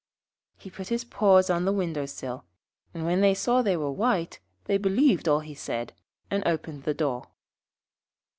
He put his paws on the window sill, and when they saw that they were white, they believed all he said, and opened the door.